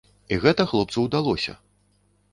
І гэта хлопцу ўдалося.